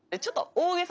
大げさ。